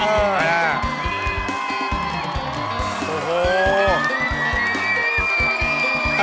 โอ้โห